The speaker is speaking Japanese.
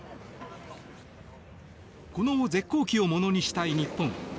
この絶好機をものにしたい日本。